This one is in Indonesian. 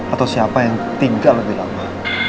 atau siapa yang tinggal lebih lama